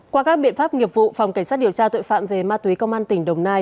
qua các biện pháp nghiệp vụ phòng cảnh sát điều tra tội phạm về ma túy công an tỉnh đồng nai